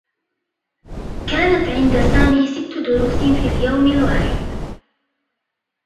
كانت عند سامي ستّ دروس في اليوم الواحد.